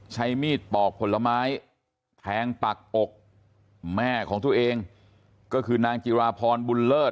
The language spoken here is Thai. ใช้มีดปอกผลไม้แทงปักอกแม่ของตัวเองก็คือนางจิราพรบุญเลิศ